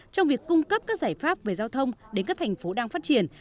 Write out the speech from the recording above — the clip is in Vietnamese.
trong việc cung cấp các giải pháp về giao thông đến các thành phố đang phát triển